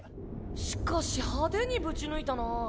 しかし派手にぶち抜いたな。